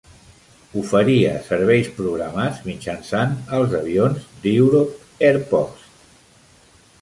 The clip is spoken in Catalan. Oferia serveis programats mitjançant els avions d'Europe Airpost.